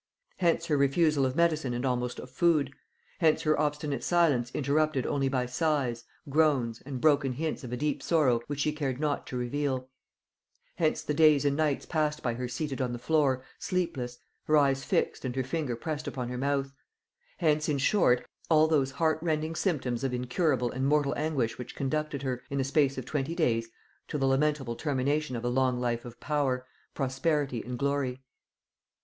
Hence her refusal of medicine and almost of food; hence her obstinate silence interrupted only by sighs, groans, and broken hints of a deep sorrow which she cared not to reveal; hence the days and nights passed by her seated on the floor, sleepless, her eyes fixed and her finger pressed upon her mouth; hence, in short, all those heart rending symptoms of incurable and mortal anguish which conducted her, in the space of twenty days, to the lamentable termination of a long life of power, prosperity and glory.